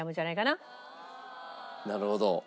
なるほど。